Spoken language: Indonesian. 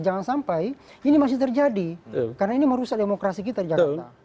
jangan sampai ini masih terjadi karena ini merusak demokrasi kita di jakarta